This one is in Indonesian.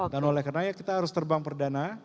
dan oleh karena itu kita harus terbang perdana